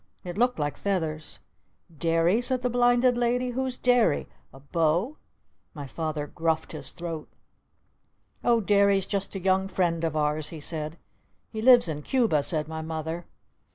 It looked like feathers. "Derry?" said the Blinded Lady. "Who's Derry? A beau?" My Father gruffed his throat. "Oh Derry's just a young friend of ours," he said. "He lives in Cuba," said my Mother.